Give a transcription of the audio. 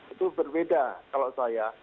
itu berbeda kalau saya